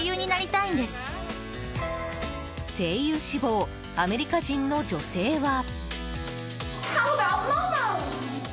声優志望アメリカ人の女性は。